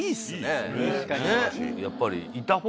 やっぱり。